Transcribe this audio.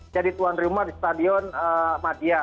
tuan rumah di stadion madia